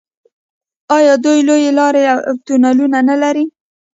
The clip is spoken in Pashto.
آیا دوی لویې لارې او تونلونه نلري؟